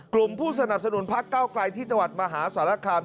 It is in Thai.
กลุ่มผู้สนับสนุนพลักษณ์เก้ากลายที่จวัดมหาสารคาม